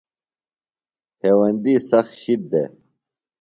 ہیوندی سخت شِد دےۡ۔